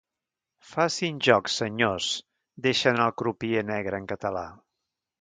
Facin joc, senyors —deixa anar el crupier negre en català.